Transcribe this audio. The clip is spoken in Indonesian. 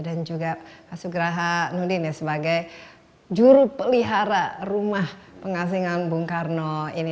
dan juga pak sugraha nudin ya sebagai juru pelihara rumah pengasingan bung karno ini